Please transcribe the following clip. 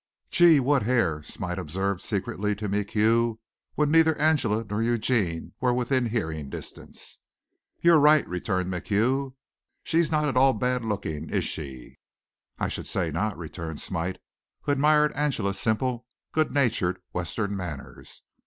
"Gee, what hair!" Smite observed secretly to MacHugh when neither Angela nor Eugene were within hearing distance. "You're right," returned MacHugh. "She's not at all bad looking, is she?" "I should say not," returned Smite who admired Angela's simple, good natured western manners.